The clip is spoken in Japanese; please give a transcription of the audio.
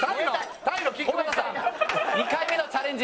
２回目のチャレンジ。